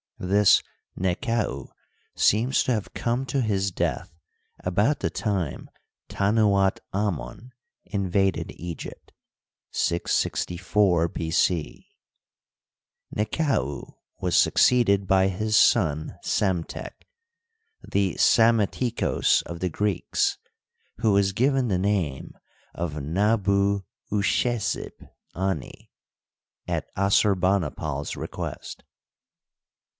This Nekau seems to have come to his death about the time Tanuat Amon invaded Egypt (664 B. C). Nekau was succeeded by his son Psemtek, the Psametichos of the Greeks, who was given the name of Nabu ushizib anni at Assurbanipal's request.